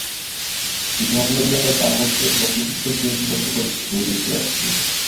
ইহা লইয়া তাঁহাকে যথেষ্ট চিন্তা করিতেও হইতেছে।